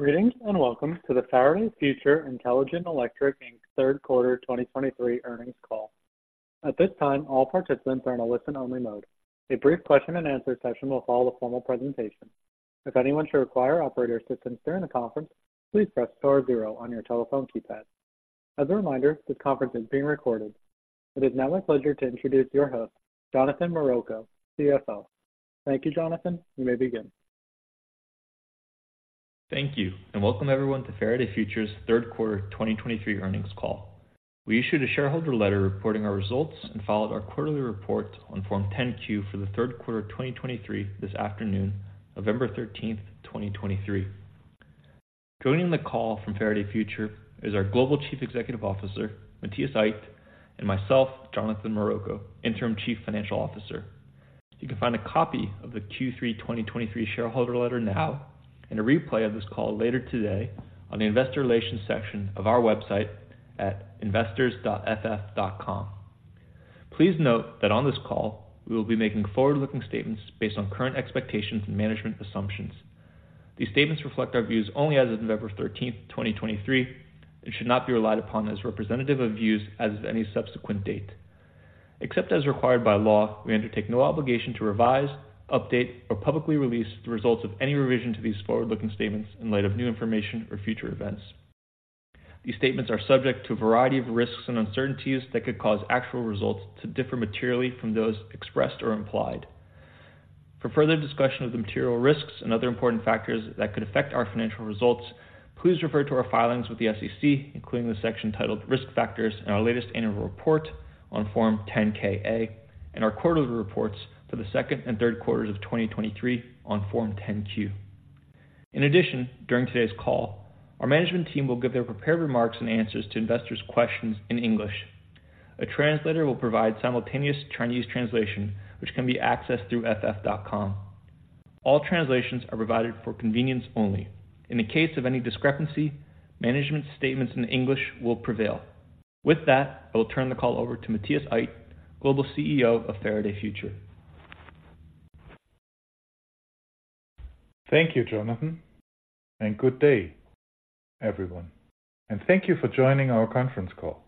Greetings, and welcome to the Faraday Future Intelligent Electric Inc. third quarter 2023 earnings call. At this time, all participants are in a listen-only mode. A brief question and answer session will follow the formal presentation. If anyone should require operator assistance during the conference, please press star zero on your telephone keypad. As a reminder, this conference is being recorded. It is now my pleasure to introduce your host, Jonathan Maroko, CFO. Thank you, Jonathan. You may begin. Thank you, and welcome everyone to Faraday Future's third quarter 2023 earnings call. We issued a shareholder letter reporting our results and followed our quarterly report on Form 10-Q for the third quarter of 2023 this afternoon, November 13, 2023. Joining the call from Faraday Future is our Global Chief Executive Officer, Matthias Aydt, and myself, Jonathan Maroko, Interim Chief Financial Officer. You can find a copy of the Q3 2023 shareholder letter now, and a replay of this call later today on the Investor Relations section of our website at investors.ff.com. Please note that on this call, we will be making forward-looking statements based on current expectations and management assumptions. These statements reflect our views only as of November 13, 2023, and should not be relied upon as representative of views as of any subsequent date. Except as required by law, we undertake no obligation to revise, update, or publicly release the results of any revision to these forward-looking statements in light of new information or future events. These statements are subject to a variety of risks and uncertainties that could cause actual results to differ materially from those expressed or implied. For further discussion of the material risks and other important factors that could affect our financial results, please refer to our filings with the SEC, including the section titled Risk Factors in our latest annual report on Form 10-K/A, and our quarterly reports for the second and third quarters of 2023 on Form 10-Q. In addition, during today's call, our management team will give their prepared remarks and answers to investors' questions in English. A translator will provide simultaneous Chinese translation, which can be accessed through ff.com. All translations are provided for convenience only. In the case of any discrepancy, management statements in English will prevail. With that, I will turn the call over to Matthias Aydt, Global CEO of Faraday Future. Thank you, Jonathan, and good day, everyone, and thank you for joining our conference call.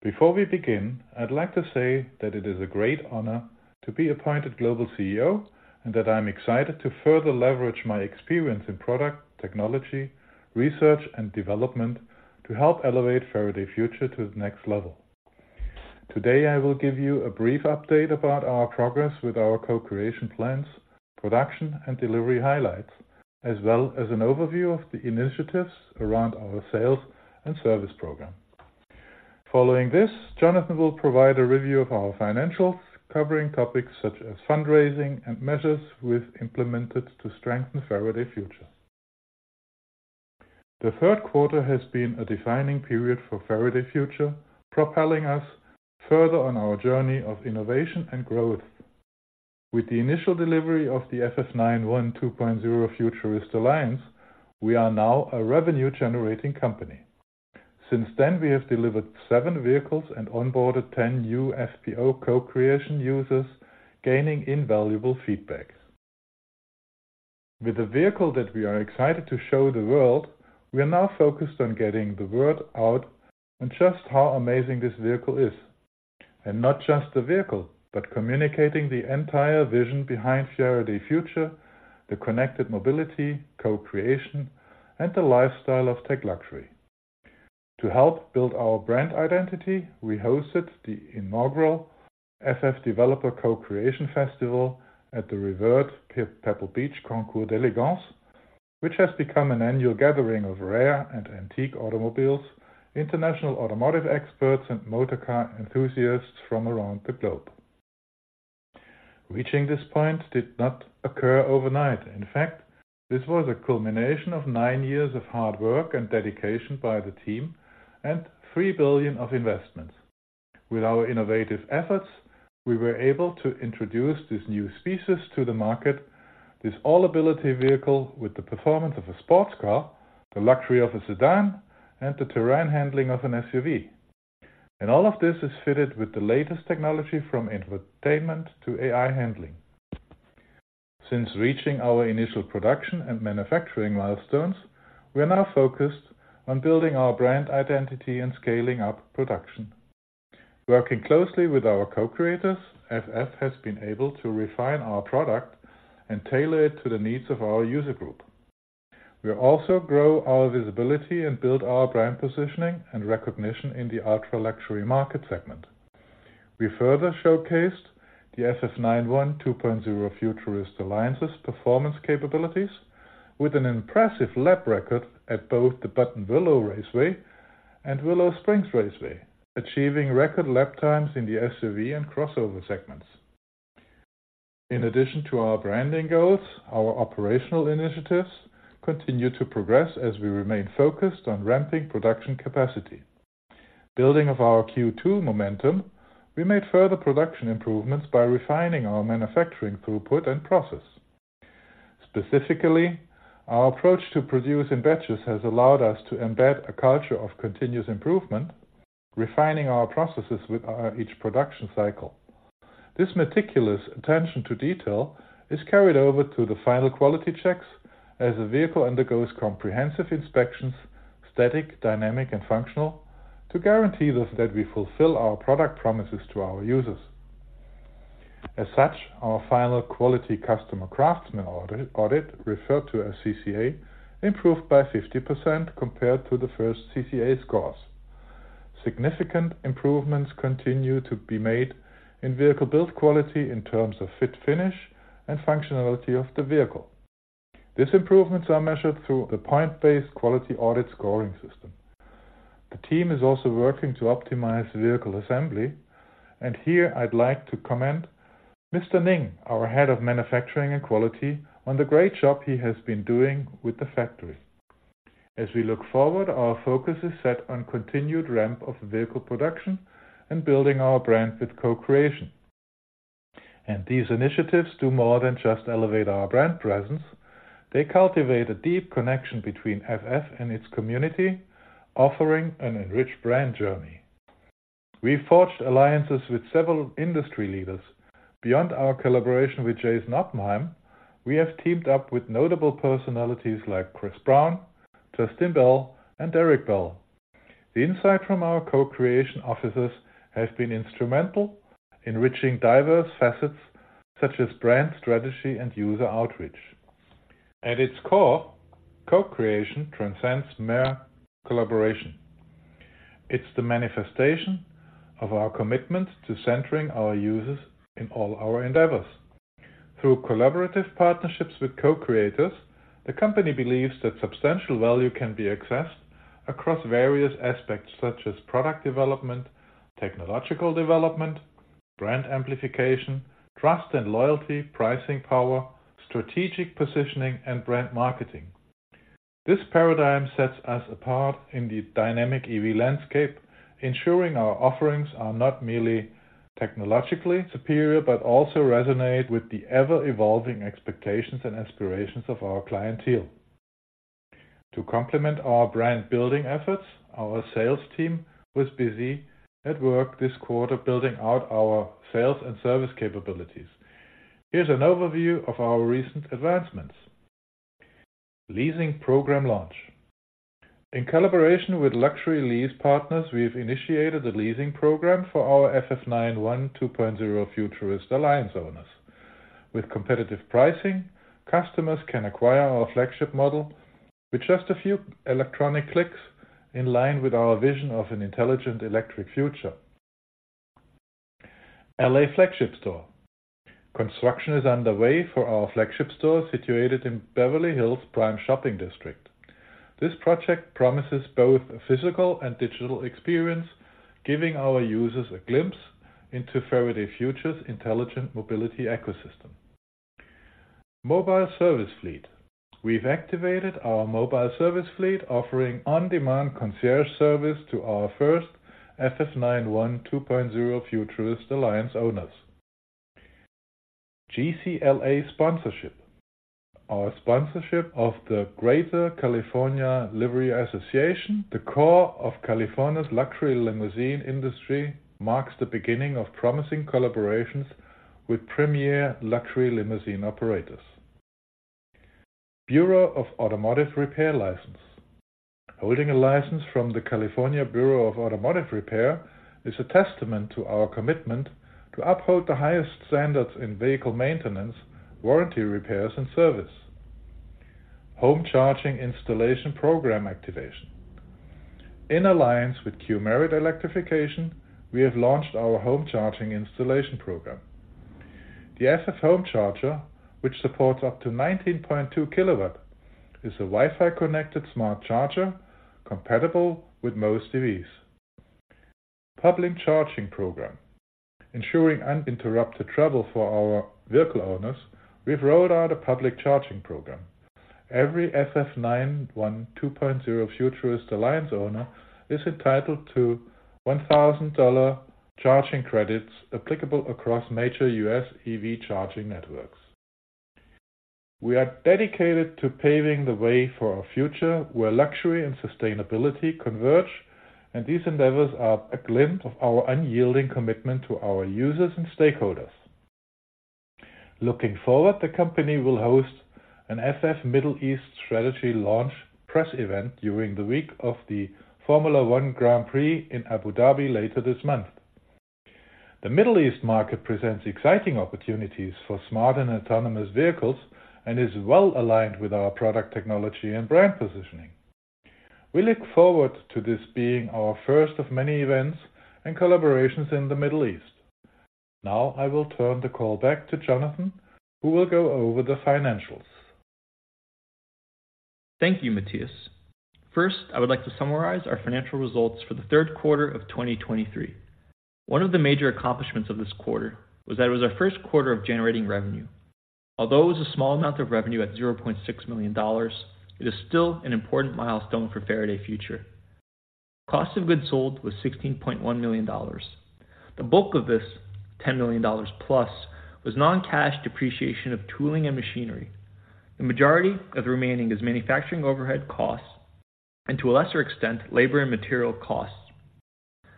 Before we begin, I'd like to say that it is a great honor to be appointed Global CEO and that I'm excited to further leverage my experience in product, technology, research, and development to help elevate Faraday Future to the next level. Today, I will give you a brief update about our progress with our co-creation plans, production, and delivery highlights, as well as an overview of the initiatives around our sales and service program. Following this, Jonathan will provide a review of our financials, covering topics such as fundraising and measures we've implemented to strengthen Faraday Future. The third quarter has been a defining period for Faraday Future, propelling us further on our journey of innovation and growth. With the initial delivery of the FF 91 2.0 Futurist Alliance, we are now a revenue-generating company. Since then, we have delivered 7 vehicles and onboarded 10 new FPO co-creation users, gaining invaluable feedback. With the vehicle that we are excited to show the world, we are now focused on getting the word out on just how amazing this vehicle is, and not just the vehicle, but communicating the entire vision behind Faraday Future, the connected mobility, co-creation, and the lifestyle of tech luxury. To help build our brand identity, we hosted the inaugural FF Developer Co-Creation Festival at the renowned Pebble Beach Concours d'Elegance, which has become an annual gathering of rare and antique automobiles, international automotive experts, and motor car enthusiasts from around the globe. Reaching this point did not occur overnight. In fact, this was a culmination of 9 years of hard work and dedication by the team and $3 billion of investments. With our innovative efforts, we were able to introduce this new species to the market, this all-ability vehicle with the performance of a sports car, the luxury of a sedan, and the terrain handling of an SUV. All of this is fitted with the latest technology from infotainment to AI handling. Since reaching our initial production and manufacturing milestones, we are now focused on building our brand identity and scaling up production. Working closely with our co-creators, FF has been able to refine our product and tailor it to the needs of our user group. We also grow our visibility and build our brand positioning and recognition in the ultra-luxury market segment. We further showcased the FF 91 2.0 Futurist Alliance's performance capabilities with an impressive lap record at both the Buttonwillow Raceway and Willow Springs Raceway, achieving record lap times in the SUV and crossover segments. In addition to our branding goals, our operational initiatives continue to progress as we remain focused on ramping production capacity. Building of our Q2 momentum, we made further production improvements by refining our manufacturing throughput and process. Specifically, our approach to produce in batches has allowed us to embed a culture of continuous improvement, refining our processes with each production cycle. This meticulous attention to detail is carried over to the final quality checks as the vehicle undergoes comprehensive inspections, static, dynamic, and functional, to guarantee us that we fulfill our product promises to our users. As such, our final quality customer craftsman audit referred to as CCA improved by 50% compared to the first CCA scores. Significant improvements continue to be made in vehicle build quality in terms of fit, finish, and functionality of the vehicle. These improvements are measured through the point-based quality audit scoring system. The team is also working to optimize vehicle assembly, and here I'd like to commend Mr. Ning, our Head of Manufacturing and Quality, on the great job he has been doing with the factory. As we look forward, our focus is set on continued ramp of vehicle production and building our brand with co-creation. These initiatives do more than just elevate our brand presence; they cultivate a deep connection between FF and its community, offering an enriched brand journey. We've forged alliances with several industry leaders. Beyond our collaboration with Jason Oppenheim, we have teamed up with notable personalities like Chris Brown, Justin Bell, and Derek Bell. The insight from our co-creation offices has been instrumental, enriching diverse facets such as brand strategy and user outreach. At its core, co-creation transcends mere collaboration. It's the manifestation of our commitment to centering our users in all our endeavors. Through collaborative partnerships with co-creators, the company believes that substantial value can be accessed across various aspects such as product development, technological development, brand amplification, trust and loyalty, pricing power, strategic positioning, and brand marketing. This paradigm sets us apart in the dynamic EV landscape, ensuring our offerings are not merely technologically superior, but also resonate with the ever-evolving expectations and aspirations of our clientele. To complement our brand-building efforts, our sales team was busy at work this quarter building out our sales and service capabilities. Here's an overview of our recent advancements. Leasing program launch. In collaboration with Luxury Lease Partners, we have initiated a leasing program for our FF 91 2.0 Futurist Alliance owners. With competitive pricing, customers can acquire our flagship model with just a few electronic clicks, in line with our vision of an intelligent electric future. LA flagship store. Construction is underway for our flagship store, situated in Beverly Hills prime shopping district. This project promises both a physical and digital experience, giving our users a glimpse into Faraday Future's intelligent mobility ecosystem. Mobile service fleet. We've activated our mobile service fleet, offering on-demand concierge service to our first FF 91 2.0 Futurist Alliance owners. GCLA sponsorship. Our sponsorship of the Greater California Livery Association, the core of California's luxury limousine industry, marks the beginning of promising collaborations with premier luxury limousine operators. Bureau of Automotive Repair license. Holding a license from the California Bureau of Automotive Repair is a testament to our commitment to uphold the highest standards in vehicle maintenance, warranty repairs, and service. Home charging installation program activation. In alliance with Qmerit Electrification, we have launched our home charging installation program. The FF Home Charger, which supports up to 19.2 kW, is a Wi-Fi connected smart charger, compatible with most EVs. Public charging program. Ensuring uninterrupted travel for our vehicle owners, we've rolled out a public charging program. Every FF 91 2.0 Futurist Alliance owner is entitled to $1,000 charging credits applicable across major US EV charging networks. We are dedicated to paving the way for a future where luxury and sustainability converge, and these endeavors are a glimpse of our unyielding commitment to our users and stakeholders. Looking forward, the company will host an FF Middle East strategy launch press event during the week of the Formula One Grand Prix in Abu Dhabi later this month. The Middle East market presents exciting opportunities for smart and autonomous vehicles, and is well-aligned with our product technology and brand positioning. We look forward to this being our first of many events and collaborations in the Middle East. Now, I will turn the call back to Jonathan, who will go over the financials. Thank you, Matthias. First, I would like to summarize our financial results for the third quarter of 2023. One of the major accomplishments of this quarter was that it was our first quarter of generating revenue. Although it was a small amount of revenue at $0.6 million, it is still an important milestone for Faraday Future. Cost of goods sold was $16.1 million. The bulk of this, $10 million plus, was non-cash depreciation of tooling and machinery. The majority of the remaining is manufacturing overhead costs and to a lesser extent, labor and material costs.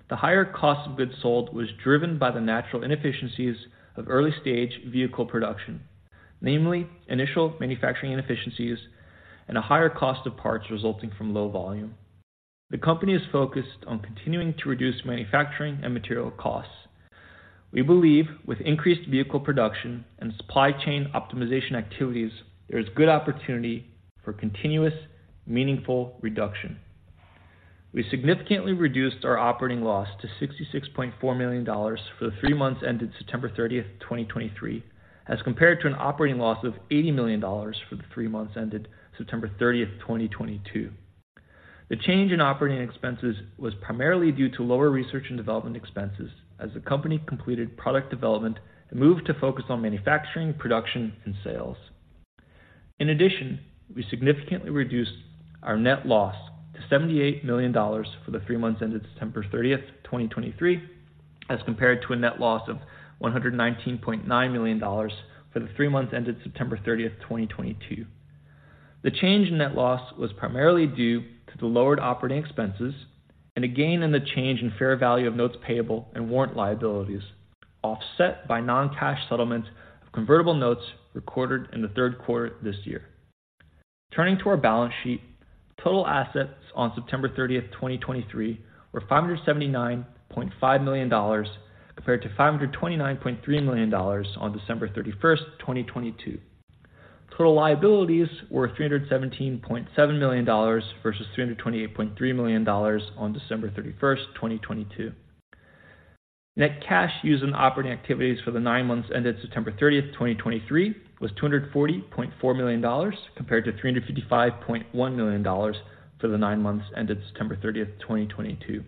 The higher cost of goods sold was driven by the natural inefficiencies of early-stage vehicle production, namely initial manufacturing inefficiencies and a higher cost of parts resulting from low volume. The company is focused on continuing to reduce manufacturing and material costs. We believe with increased vehicle production and supply chain optimization activities, there is good opportunity for continuous, meaningful reduction. We significantly reduced our operating loss to $66.4 million for the three months ended September 30, 2023, as compared to an operating loss of $80 million for the three months ended September 30, 2022. The change in operating expenses was primarily due to lower research and development expenses as the company completed product development and moved to focus on manufacturing, production, and sales. In addition, we significantly reduced our net loss to $78 million for the three months ended September 30, 2023, as compared to a net loss of $119.9 million for the three months ended September 30, 2022. The change in net loss was primarily due to the lowered operating expenses and a gain in the change in fair value of notes payable and warrant liabilities, offset by non-cash settlement of convertible notes recorded in the third quarter this year. Turning to our balance sheet, total assets on September 30, 2023, were $579.5 million, compared to $529.3 million on December 31, 2022. Total liabilities were $317.7 million versus $328.3 million on December 31, 2022. Net cash used in operating activities for the nine months ended September 30, 2023, was $240.4 million, compared to $355.1 million for the nine months ended September 30, 2022.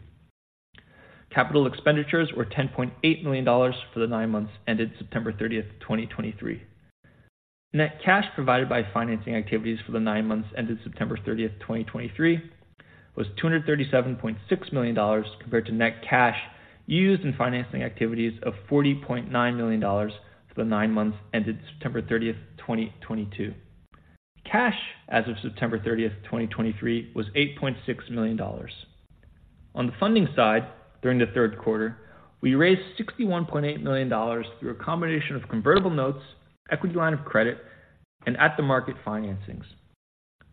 Capital expenditures were $10.8 million for the nine months ended September 30, 2023. Net cash provided by financing activities for the nine months ended September 30, 2023, was $237.6 million, compared to net cash used in financing activities of $40.9 million for the nine months ended September 30, 2022. Cash as of September 30, 2023, was $8.6 million. On the funding side, during the third quarter, we raised $61.8 million through a combination of convertible notes, equity line of credit, and at-the-market financings.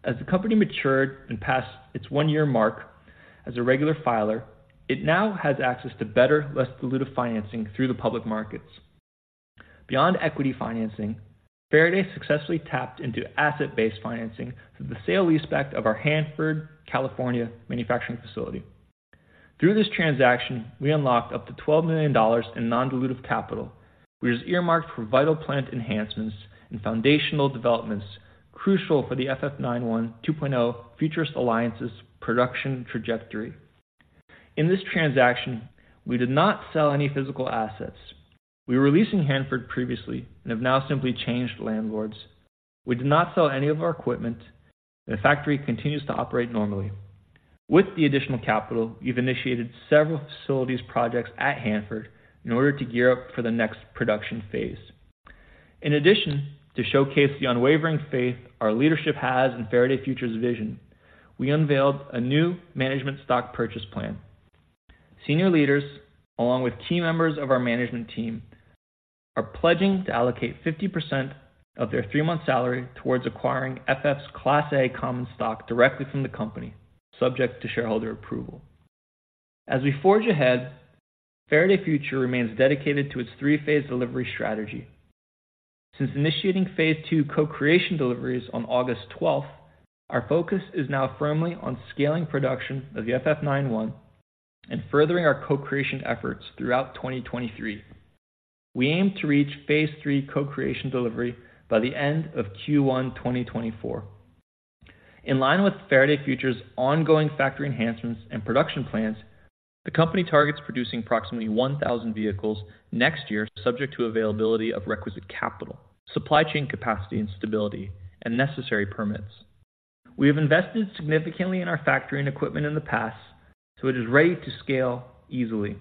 As the company matured and passed its one-year mark as a regular filer, it now has access to better, less dilutive financing through the public markets. Beyond equity financing, Faraday successfully tapped into asset-based financing through the sale-leaseback of our Hanford, California, manufacturing facility. Through this transaction, we unlocked up to $12 million in non-dilutive capital, which is earmarked for vital plant enhancements and foundational developments crucial for the FF 91 2.0 Futurist Alliances production trajectory. In this transaction, we did not sell any physical assets. We were leasing Hanford previously and have now simply changed landlords. We did not sell any of our equipment, and the factory continues to operate normally. With the additional capital, we've initiated several facilities projects at Hanford in order to gear up for the next production phase. In addition, to showcase the unwavering faith our leadership has in Faraday Future's vision, we unveiled a new management stock purchase plan. Senior leaders, along with key members of our management team, are pledging to allocate 50% of their three-month salary towards acquiring FF's Class A common stock directly from the company, subject to shareholder approval. As we forge ahead, Faraday Future remains dedicated to its 3-phase delivery strategy. Since initiating phase 2 co-creation deliveries on August 12, our focus is now firmly on scaling production of the FF 91 and furthering our co-creation efforts throughout 2023. We aim to reach phase 3 co-creation delivery by the end of Q1 2024. In line with Faraday Future's ongoing factory enhancements and production plans, the company targets producing approximately 1,000 vehicles next year, subject to availability of requisite capital, supply chain capacity and stability, and necessary permits. We have invested significantly in our factory and equipment in the past, so it is ready to scale easily.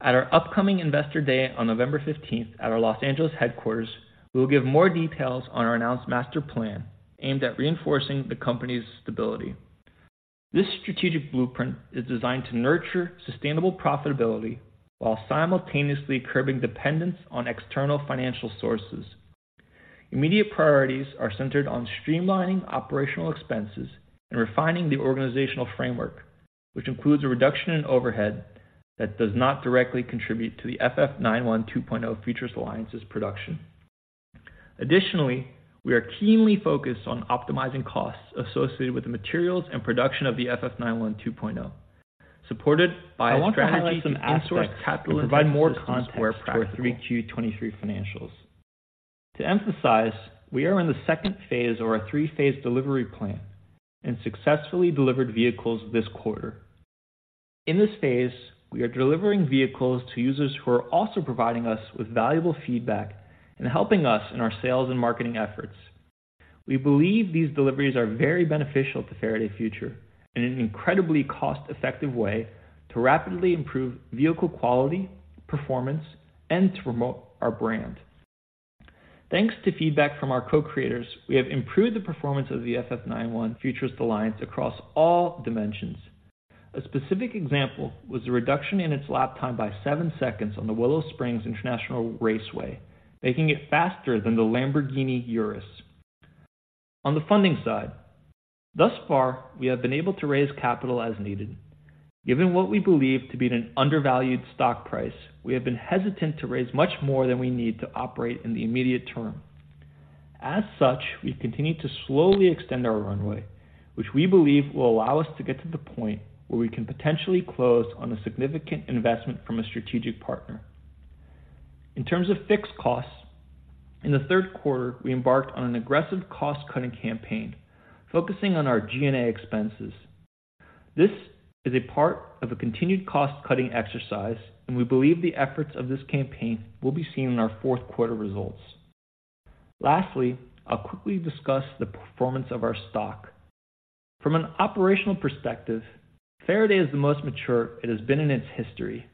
At our upcoming Investor Day on November 15 at our Los Angeles headquarters, we will give more details on our announced master plan aimed at reinforcing the company's stability. This strategic blueprint is designed to nurture sustainable profitability while simultaneously curbing dependence on external financial sources. Immediate priorities are centered on streamlining operational expenses and refining the organizational framework, which includes a reduction in overhead that does not directly contribute to the FF 91 2.0 Futurist Alliance's production. Additionally, we are keenly focused on optimizing costs associated with the materials and production of the FF 91 2.0, supported by a strategy to outsource capital-intensive systems where practical. I want to highlight some aspects and provide more context to our 3Q 2023 financials. To emphasize, we are in the second phase of our three-phase delivery plan and successfully delivered vehicles this quarter. In this phase, we are delivering vehicles to users who are also providing us with valuable feedback and helping us in our sales and marketing efforts. We believe these deliveries are very beneficial to Faraday Future and an incredibly cost-effective way to rapidly improve vehicle quality, performance, and to promote our brand. Thanks to feedback from our co-creators, we have improved the performance of the FF 91 Futurist Alliance across all dimensions. A specific example was the reduction in its lap time by seven seconds on the Willow Springs International Raceway, making it faster than the Lamborghini Urus. On the funding side, thus far, we have been able to raise capital as needed. Given what we believe to be an undervalued stock price, we have been hesitant to raise much more than we need to operate in the immediate term. As such, we've continued to slowly extend our runway, which we believe will allow us to get to the point where we can potentially close on a significant investment from a strategic partner. In terms of fixed costs, in the third quarter, we embarked on an aggressive cost-cutting campaign focusing on our G&A expenses. This is a part of a continued cost-cutting exercise, and we believe the efforts of this campaign will be seen in our fourth quarter results. Lastly, I'll quickly discuss the performance of our stock. From an operational perspective, Faraday is the most mature it has been in its history.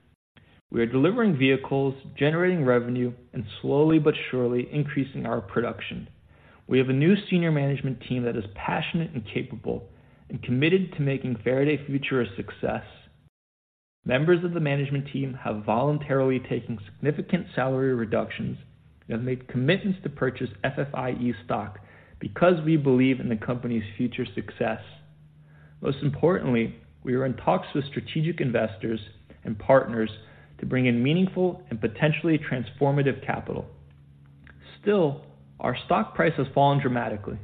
We are delivering vehicles, generating revenue, and slowly but surely increasing our production. We have a new senior management team that is passionate and capable and committed to making Faraday Future a success. Members of the management team have voluntarily taken significant salary reductions and have made commitments to purchase FFIE stock because we believe in the company's future success. Most importantly, we are in talks with strategic investors and partners to bring in meaningful and potentially transformative capital. Still, our stock price has fallen dramatically.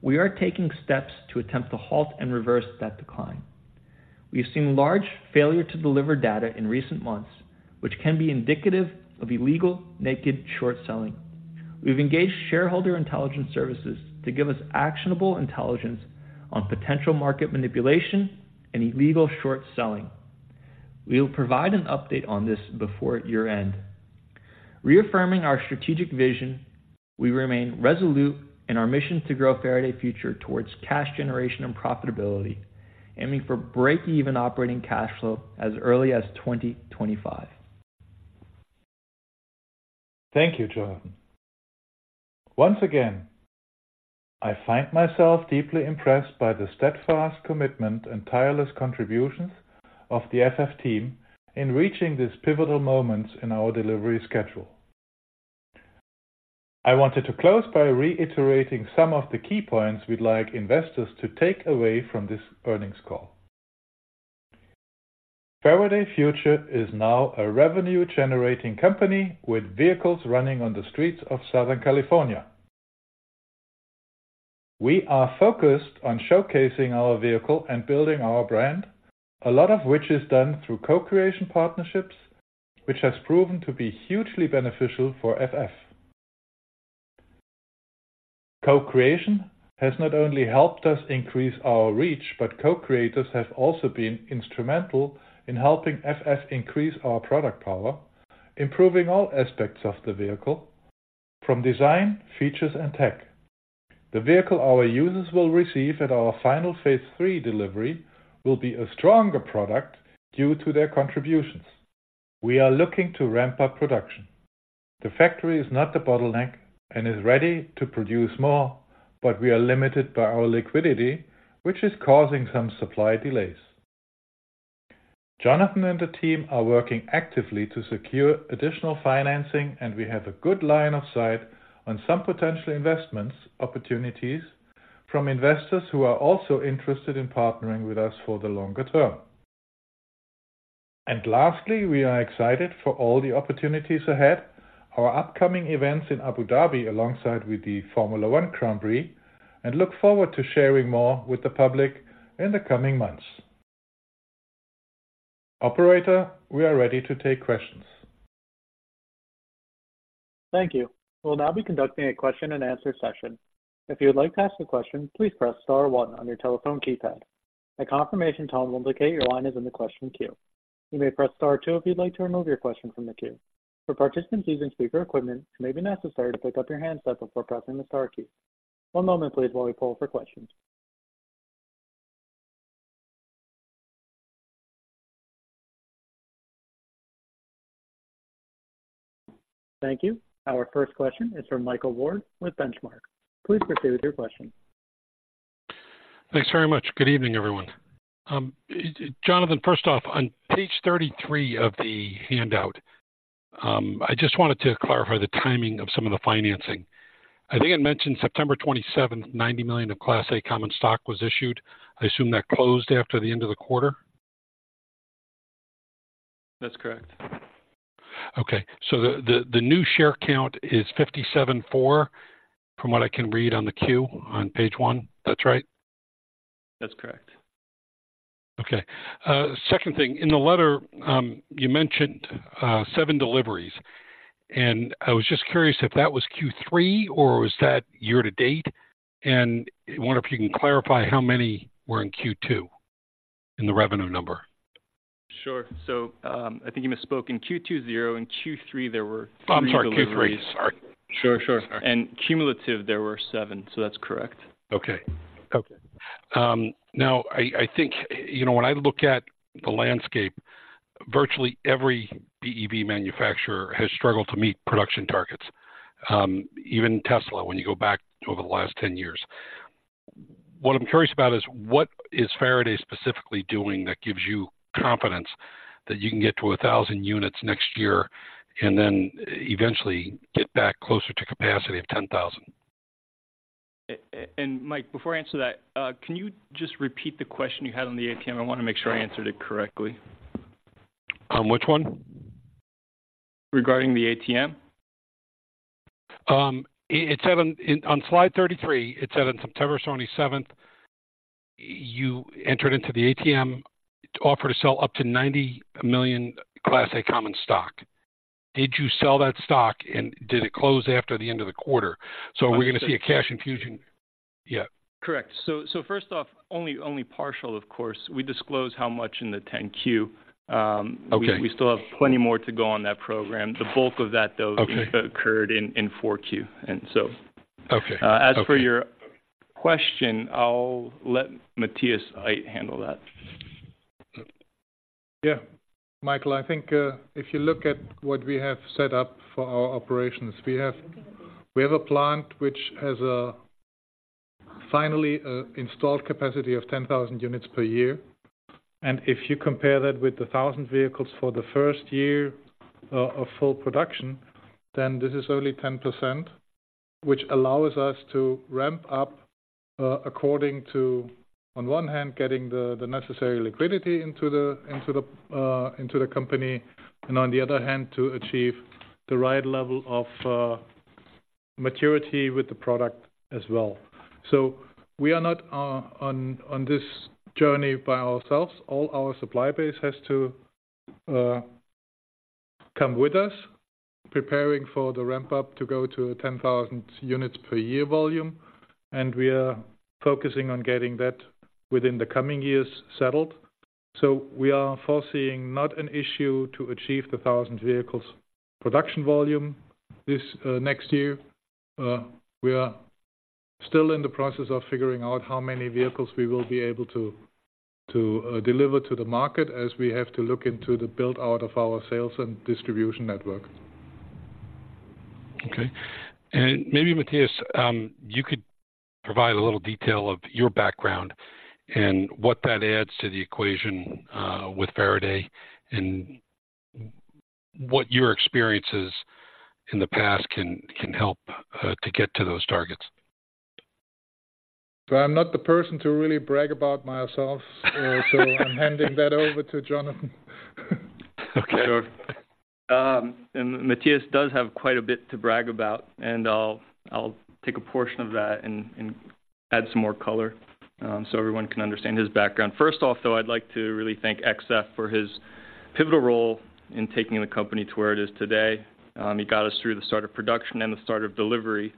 We are taking steps to attempt to halt and reverse that decline. We have seen large failure to deliver data in recent months, which can be indicative of illegal naked short selling. We've engaged shareholder intelligence services to give us actionable intelligence on potential market manipulation and illegal short selling. We will provide an update on this before year-end. Reaffirming our strategic vision, we remain resolute in our mission to grow Faraday Future towards cash generation and profitability, aiming for break-even operating cash flow as early as 2025. Thank you, Jonathan. Once again, I find myself deeply impressed by the steadfast commitment and tireless contributions of the FF team in reaching this pivotal moment in our delivery schedule. I wanted to close by reiterating some of the key points we'd like investors to take away from this earnings call. Faraday Future is now a revenue-generating company with vehicles running on the streets of Southern California. We are focused on showcasing our vehicle and building our brand, a lot of which is done through co-creation partnerships, which has proven to be hugely beneficial for FF. Co-creation has not only helped us increase our reach, but co-creators have also been instrumental in helping FF increase our product power, improving all aspects of the vehicle from design, features, and tech. The vehicle our users will receive at our final phase three delivery will be a stronger product due to their contributions. We are looking to ramp up production. The factory is not the bottleneck and is ready to produce more, but we are limited by our liquidity, which is causing some supply delays. Jonathan and the team are working actively to secure additional financing, and we have a good line of sight on some potential investments, opportunities from investors who are also interested in partnering with us for the longer term. Lastly, we are excited for all the opportunities ahead, our upcoming events in Abu Dhabi, alongside with the Formula One Grand Prix, and look forward to sharing more with the public in the coming months. Operator, we are ready to take questions. Thank you. We'll now be conducting a question-and-answer session. If you would like to ask a question, please press star one on your telephone keypad. A confirmation tone will indicate your line is in the question queue. You may press star two if you'd like to remove your question from the queue. For participants using speaker equipment, it may be necessary to pick up your handset before pressing the star key. One moment please while we poll for questions. Thank you. Our first question is from Michael Ward with Benchmark. Please proceed with your question. Thanks very much. Good evening, everyone. Jonathan, first off, on page 33 of the handout, I just wanted to clarify the timing of some of the financing. I think it mentioned September 27th, 90 million of Class A common stock was issued. I assume that closed after the end of the quarter? That's correct. Okay. So the new share count is 57.4, from what I can read on the Q on page one. That's right? That's correct. Okay. Second thing, in the letter, you mentioned seven deliveries, and I was just curious if that was Q3, or was that year to date? And I wonder if you can clarify how many were in Q2, in the revenue number? Sure. So, I think you misspoke. In Q2, zero, in Q3, there were- I'm sorry, Q3, sorry. Sure, sure. Sorry. Cumulative, there were seven, so that's correct. Okay. Okay. Now, I think, you know, when I look at the landscape, virtually every BEV manufacturer has struggled to meet production targets, even Tesla, when you go back over the last 10 years. What I'm curious about is, what is Faraday specifically doing that gives you confidence that you can get to 1,000 units next year and then eventually get back closer to capacity of 10,000? Mike, before I answer that, can you just repeat the question you had on the ATM? I want to make sure I answered it correctly. Which one? Regarding the ATM. It said on slide 33, it said on September 27th, you entered into the ATM to offer to sell up to 90 million Class A common stock. Did you sell that stock, and did it close after the end of the quarter? So are we going to see a cash infusion? Yeah. Correct. So first off, only partial, of course. We disclose how much in the 10-Q. Okay. We still have plenty more to go on that program. The bulk of that, though- Okay. Occurred in Q4, and so. Okay. As for your question, I'll let Matthias handle that. Yeah. Michael, I think, if you look at what we have set up for our operations, we have a plant which has a finally installed capacity of 10,000 units per year. And if you compare that with the 1,000 vehicles for the first year of full production, then this is only 10%, which allows us to ramp up according to, on one hand, getting the necessary liquidity into the company, and on the other hand, to achieve the right level of maturity with the product as well. So we are not on this journey by ourselves. All our supply base has to come with us, preparing for the ramp-up to go to 10,000 units per year volume, and we are focusing on getting that within the coming years settled. So we are foreseeing not an issue to achieve the 1,000 vehicles production volume this next year. We are still in the process of figuring out how many vehicles we will be able to to deliver to the market, as we have to look into the build-out of our sales and distribution network. Okay. And maybe, Matthias, you could provide a little detail of your background and what that adds to the equation, with Faraday, and what your experiences in the past can help to get to those targets. So I'm not the person to really brag about myself, so I'm handing that over to Jonathan. Okay. Sure. And Matthias does have quite a bit to brag about, and I'll take a portion of that and add some more color, so everyone can understand his background. First off, though, I'd like to really thank XF for his pivotal role in taking the company to where it is today. He got us through the start of production and the start of delivery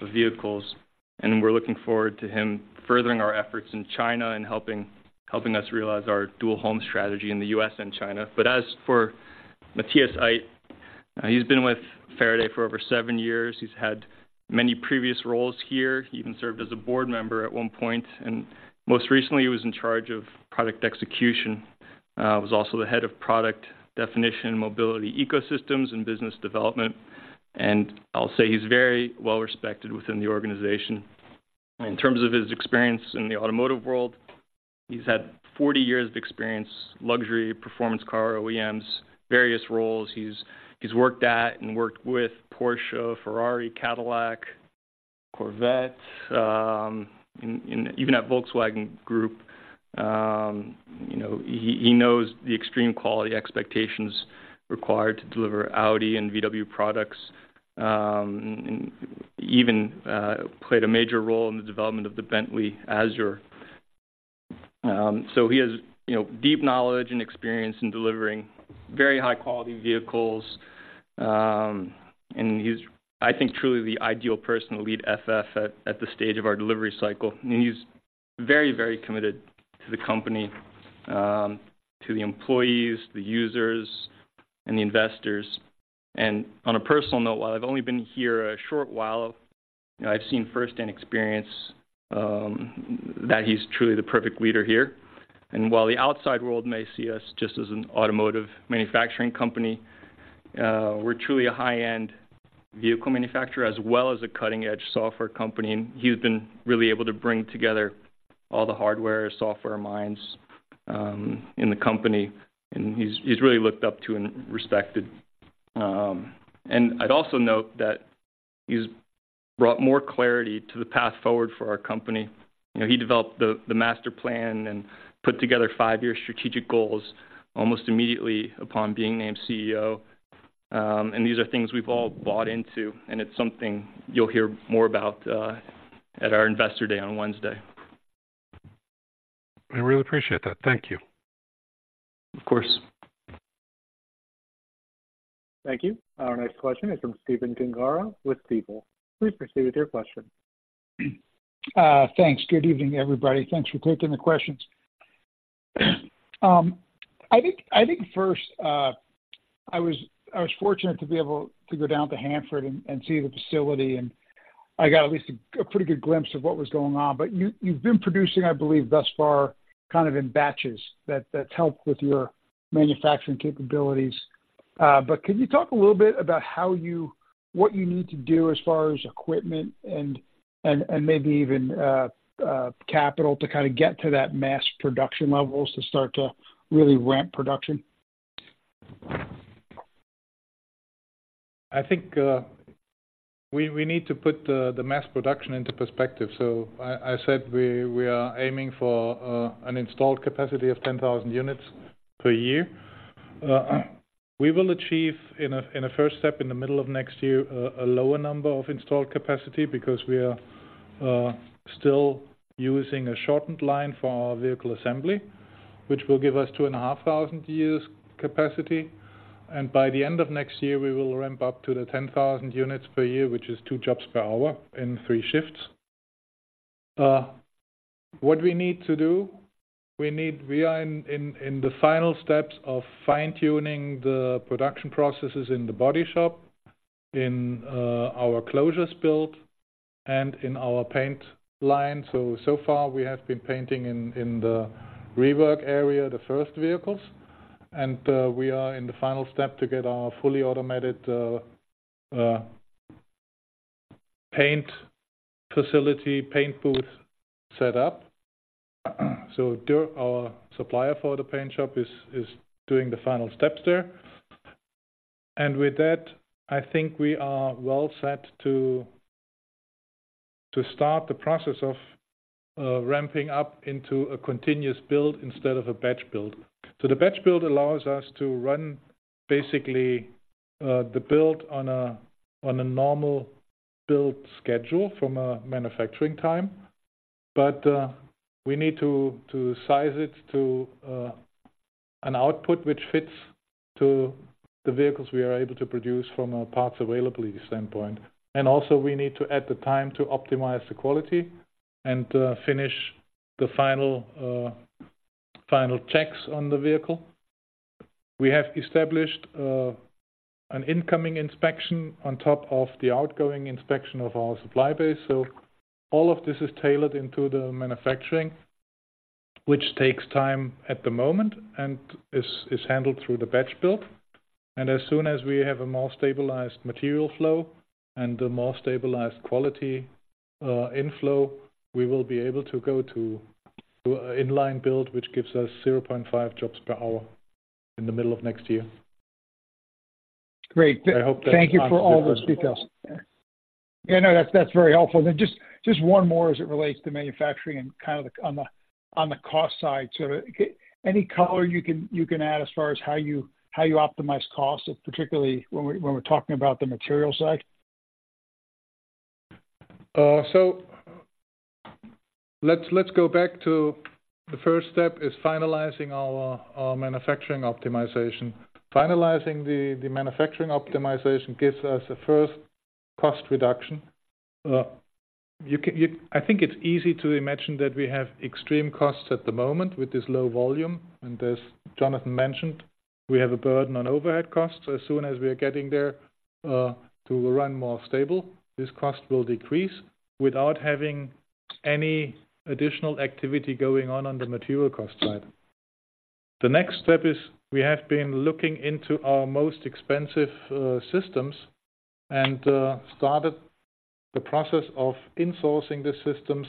of vehicles, and we're looking forward to him furthering our efforts in China and helping us realize our dual home strategy in the US and China. But as for Matthias Aydt, he's been with Faraday for over seven years. He's had many previous roles here. He even served as a board member at one point, and most recently, he was in charge of product execution, was also the head of product definition, mobility, ecosystems, and business development. I'll say he's very well-respected within the organization. In terms of his experience in the automotive world, he's had 40 years of experience, luxury, performance, car, OEMs, various roles. He's worked at and worked with Porsche, Ferrari, Cadillac, Corvette, and even at Volkswagen Group. You know, he knows the extreme quality expectations required to deliver Audi and VW products, and even played a major role in the development of the Bentley Azure. So he has, you know, deep knowledge and experience in delivering very high-quality vehicles, and he's, I think, truly the ideal person to lead FF at this stage of our delivery cycle. And he's very, very committed to the company, to the employees, the users, and the investors. On a personal note, while I've only been here a short while, I've seen first-hand experience that he's truly the perfect leader here. While the outside world may see us just as an automotive manufacturing company, we're truly a high-end vehicle manufacturer as well as a cutting-edge software company. He's been really able to bring together all the hardware, software minds in the company, and he's really looked up to and respected. I'd also note that he's brought more clarity to the path forward for our company. You know, he developed the master plan and put together five-year strategic goals almost immediately upon being named CEO. These are things we've all bought into, and it's something you'll hear more about at our Investor Day on Wednesday. I really appreciate that. Thank you. Of course. Thank you. Our next question is from Stephen Gengaro with Stifel. Please proceed with your question. Thanks. Good evening, everybody. Thanks for taking the questions. I think, I think first, I was, I was fortunate to be able to go down to Hanford and, and see the facility, and I got at least a, a pretty good glimpse of what was going on. But you, you've been producing, I believe, thus far, kind of in batches, that, that's helped with your manufacturing capabilities. But can you talk a little bit about how you... what you need to do as far as equipment and, and, and maybe even capital to kinda get to that mass production levels to start to really ramp production? I think we need to put the mass production into perspective. So I said we are aiming for an installed capacity of 10,000 units per year. We will achieve in a first step in the middle of next year a lower number of installed capacity because we are still using a shortened line for our vehicle assembly, which will give us 2,500 years capacity. By the end of next year, we will ramp up to the 10,000 units per year, which is 2 jobs per hour in three shifts. What we need to do, we are in the final steps of fine-tuning the production processes in the body shop, in our closures build, and in our paint line. So, so far we have been painting in the rework area, the first vehicles, and we are in the final step to get our fully automated paint facility, paint booth set up. So Dürr, our supplier for the paint shop, is doing the final steps there. And with that, I think we are well set to start the process of ramping up into a continuous build instead of a batch build. So the batch build allows us to run basically the build on a normal build schedule from a manufacturing time, but we need to size it to an output which fits to the vehicles we are able to produce from a parts availability standpoint. Also, we need to add the time to optimize the quality and finish the final checks on the vehicle. We have established an incoming inspection on top of the outgoing inspection of our supply base. All of this is tailored into the manufacturing, which takes time at the moment and is handled through the batch build. As soon as we have a more stabilized material flow and a more stabilized quality inflow, we will be able to go to an inline build, which gives us 0.5 jobs per hour in the middle of next year. Great. I hope that answers your question. Thank you for all those details. Yeah, no, that's, that's very helpful. And then just, just one more as it relates to manufacturing and kind of on the, on the cost side. So, any color you can, you can add as far as how you, how you optimize costs, particularly when we're, when we're talking about the material side? So let's go back to the first step, is finalizing our manufacturing optimization. Finalizing the manufacturing optimization gives us a first cost reduction. I think it's easy to imagine that we have extreme costs at the moment with this low volume, and as Jonathan mentioned, we have a burden on overhead costs. So as soon as we are getting there, to run more stable, this cost will decrease without having any additional activity going on, on the material cost side. The next step is we have been looking into our most expensive systems and started the process of insourcing the systems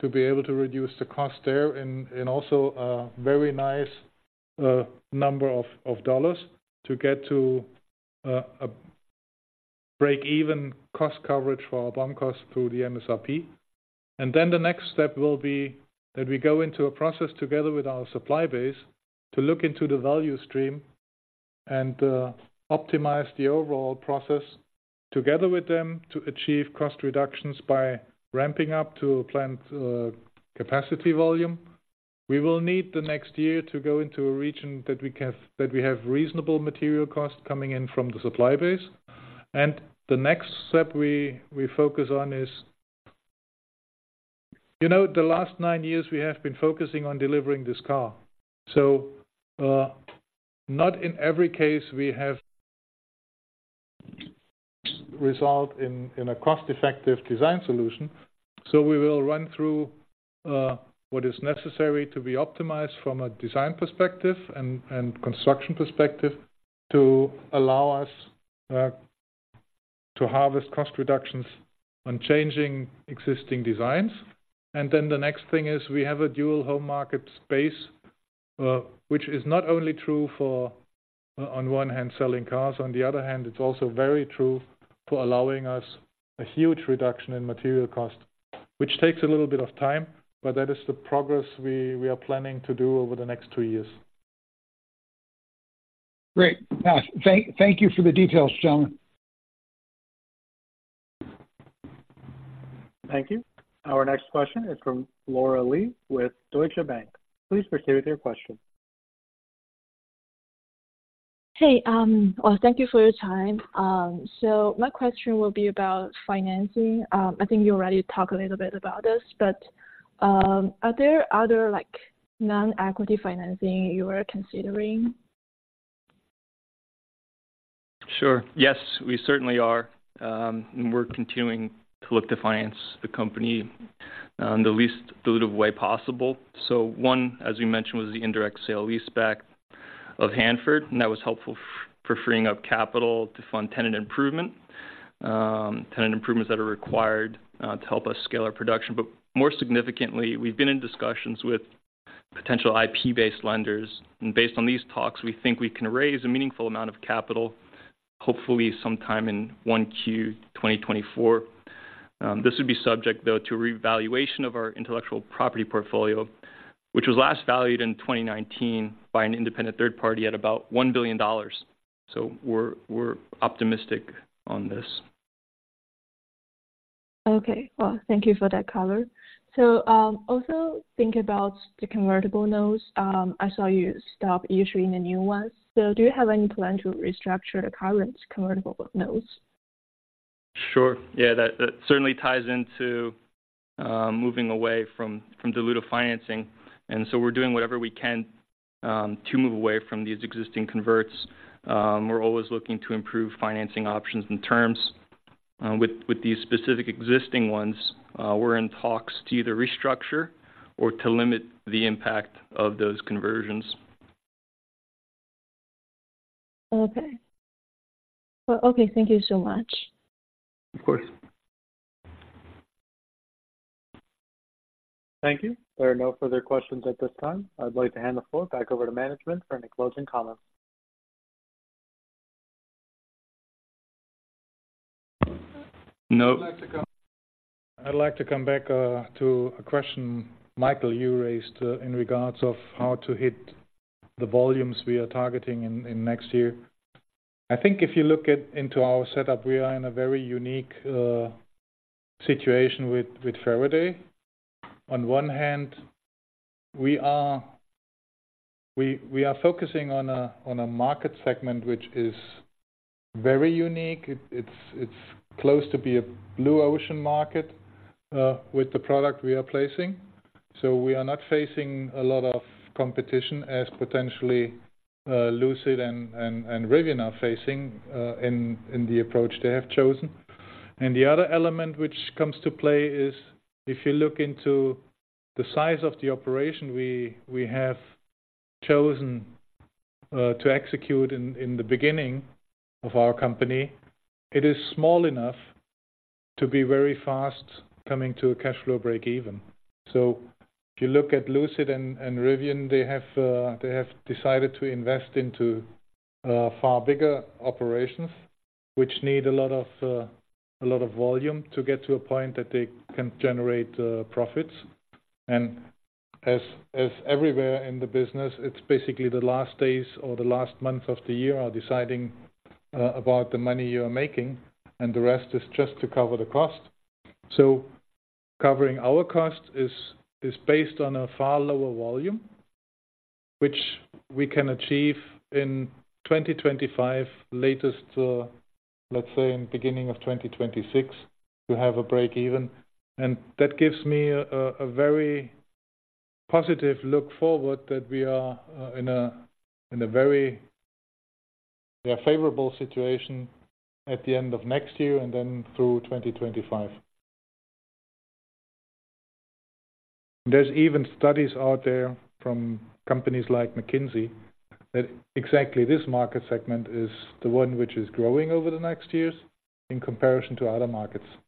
to be able to reduce the cost there, and also a very nice number of dollars to get to a break-even cost coverage for our BOM costs through the MSRP. Then the next step will be that we go into a process together with our supply base to look into the value stream and, optimize the overall process together with them to achieve cost reductions by ramping up to plant, capacity volume. We will need the next year to go into a region that we have reasonable material costs coming in from the supply base. The next step we focus on is... You know, the last nine years we have been focusing on delivering this car. So, not in every case we have result in a cost-effective design solution. So we will run through what is necessary to be optimized from a design perspective and construction perspective to allow us to harvest cost reductions on changing existing designs. Then the next thing is, we have a dual home market space, which is not only true for, on one hand, selling cars, on the other hand, it's also very true for allowing us a huge reduction in material cost, which takes a little bit of time, but that is the progress we are planning to do over the next two years. Great. Thank you for the details, gentlemen. Thank you. Our next question is from Laura Lee with Deutsche Bank. Please proceed with your question. Hey, well, thank you for your time. So my question will be about financing. I think you already talked a little bit about this, but, are there other, like, non-equity financing you are considering? Sure. Yes, we certainly are. And we're continuing to look to finance the company, in the least dilutive way possible. So one, as we mentioned, was the indirect sale-leaseback of Hanford, and that was helpful for freeing up capital to fund tenant improvement. Tenant improvements that are required, to help us scale our production. But more significantly, we've been in discussions with potential IP-based lenders, and based on these talks, we think we can raise a meaningful amount of capital, hopefully sometime in 1Q 2024. This would be subject, though, to a revaluation of our intellectual property portfolio, which was last valued in 2019 by an independent third party at about $1 billion. So we're, we're optimistic on this. Okay. Well, thank you for that color. So, also think about the convertible notes. I saw you stop issuing the new ones. So do you have any plan to restructure the current convertible notes? Sure. Yeah, that certainly ties into moving away from dilutive financing, and so we're doing whatever we can to move away from these existing converts. We're always looking to improve financing options and terms. With these specific existing ones, we're in talks to either restructure or to limit the impact of those conversions. Okay. Well, okay, thank you so much. Of course. Thank you. There are no further questions at this time. I'd like to hand the floor back over to management for any closing comments. No- I'd like to come, I'd like to come back to a question, Michael, you raised in regards of how to hit the volumes we are targeting in next year. I think if you look into our setup, we are in a very unique situation with Faraday. On one hand, we are focusing on a market segment, which is very unique. It's close to be a blue ocean market with the product we are placing. So we are not facing a lot of competition as potentially Lucid and Rivian are facing in the approach they have chosen. The other element which comes to play is, if you look into the size of the operation we have chosen to execute in the beginning of our company, it is small enough to be very fast coming to a cash flow break even. If you look at Lucid and Rivian, they have decided to invest into far bigger operations, which need a lot of volume to get to a point that they can generate profits. As everywhere in the business, it's basically the last days or the last months of the year are deciding about the money you are making, and the rest is just to cover the cost. So covering our cost is based on a far lower volume, which we can achieve in 2025, latest, let's say in beginning of 2026, to have a break even. And that gives me a very positive look forward that we are in a very, yeah, favorable situation at the end of next year, and then through 2025. There's even studies out there from companies like McKinsey, that exactly this market segment is the one which is growing over the next years in comparison to other markets.